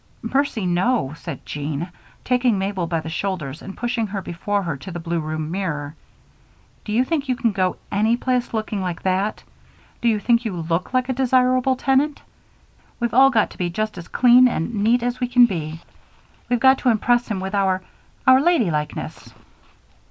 "Mercy, no," said Jean, taking Mabel by the shoulders and pushing her before her to the blue room mirror. "Do you think you can go any place looking like that? Do you think you look like a desirable tenant? We've all got to be just as clean and neat as we can be. We've got to impress him with our our ladylikeness."